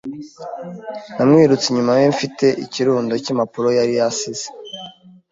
Namwirutse inyuma ye mfite ikirundo cy'impapuro yari asize.